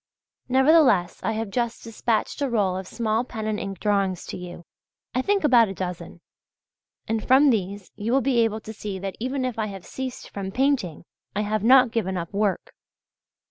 Nevertheless I have just dispatched a roll of small pen and ink drawings to you I think about a dozen and from these you will be able to see that even if I have ceased from painting, I have not given up work.